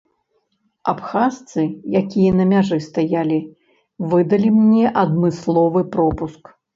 Абхазцы, якія на мяжы стаялі, выдалі мне адмысловы пропуск.